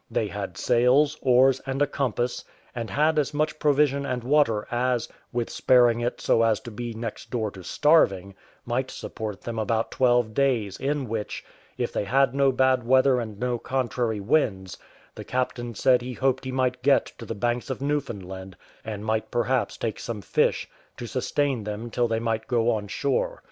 They had sails, oars, and a compass; and had as much provision and water as, with sparing it so as to be next door to starving, might support them about twelve days, in which, if they had no bad weather and no contrary winds, the captain said he hoped he might get to the banks of Newfoundland, and might perhaps take some fish, to sustain them till they might go on shore.